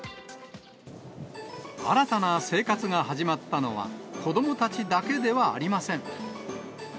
新たな生活が始まったのは、子どもたちだけではありません。